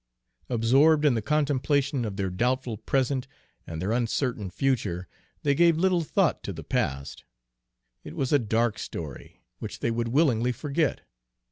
Absorbed in the contemplation of their doubtful present and their uncertain future, they gave little thought to the past, it was a dark story, which they would willingly forget.